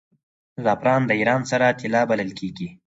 زعفران د ایران سره طلا بلل کیږي.